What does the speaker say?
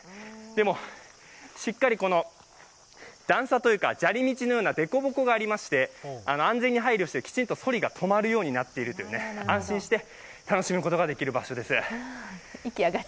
でも、しっかり段差というか砂利道のようなでこぼこがありまして安全に配慮してきちんとそりが止まるようになっているという安心して楽しむことができる場所です。